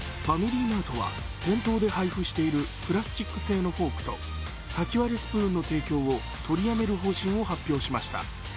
ファミリーマートは店頭で配布しているブラスチック製のフォークと先割れスプーンの提供を取りやめる方針を発表しました。